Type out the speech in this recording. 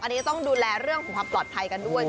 อันนี้ต้องดูแลเรื่องของความปลอดภัยกันด้วย